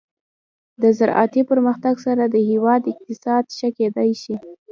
د زراعتي پرمختګ سره د هیواد اقتصاد ښه کیدلی شي.